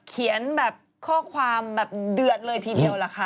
เขียนแบบข้อความแบบเดือดเลยทีเดียวล่ะค่ะ